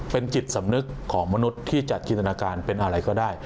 เป็นจิตสำนึกของมนุษย์ที่จะจินตนาการเป็นอะไรก็ได้